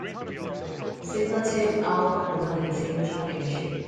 Signatech-Alpine won the team championship.